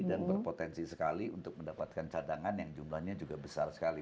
dan berpotensi sekali untuk mendapatkan cadangan yang jumlahnya juga besar sekali